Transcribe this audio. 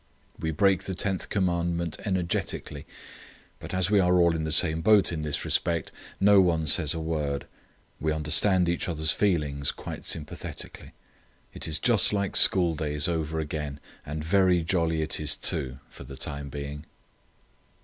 We break the Tenth Commandment energetically, but as we are all in the same boat in this respect, no one says a word. We understand each other's feelings quite sympathetically. "It is just like school days over again, and very jolly it is too, for the time being!"